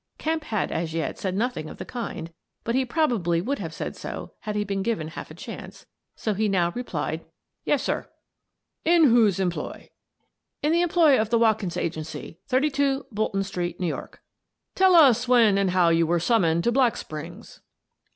Kemp had as yet said nothing of the kind, but he probably would have said so had he been given half a chance, so he now replied : "Yes, sir." " In whose employ? "" In the employ of the Watkins Agency, 32 Boul ton Street, New York." " Tell us when and how you were summoned to Black Springs."